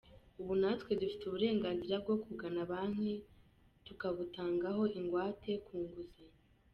Ubu natwe dufite uburenganzira bwo kugana banki tukabutangaho ingwate ku nguzanyo”.